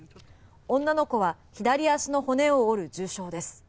女の子は左足の骨を折る重傷です。